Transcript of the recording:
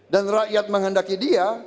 dan rakyat menghendaki dia